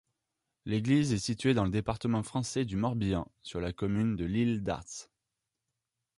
L'église est située dans le département français du Morbihan, sur la commune de l'Île-d'Arz.